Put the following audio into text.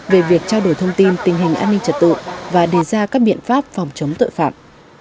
về việc trao đổi thông tin tình hình an ninh trật tự và đề ra các biện pháp phòng chống tội phạm